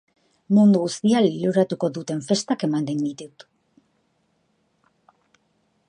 Mundu guztia liluratuko duten festak emanen ditut.